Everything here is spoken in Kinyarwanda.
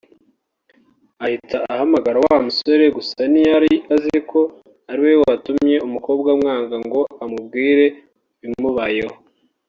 ahita ahamagara wa musore (gusa ntiyari aziko ariwe watumye umukobwa amwanga) ngo amubwire ibimubayeho